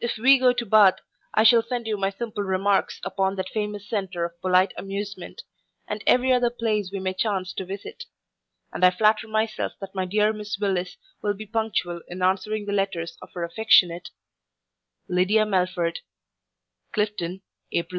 If we go to Bath, I shall send you my simple remarks upon that famous center of polite amusement, and every other place we may chance to visit; and I flatter myself that my dear Miss Willis will be punctual in answering the letters of her affectionate, LYDIA MELFORD CLIFTON, April 6.